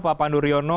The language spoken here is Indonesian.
pak pandu riono